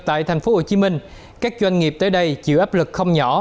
tại thành phố hồ chí minh các doanh nghiệp tới đây chịu áp lực không nhỏ